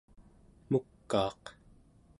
mukaaq